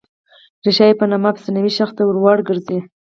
ریښه یې په نامه افسانوي شخص ته ور ګرځي.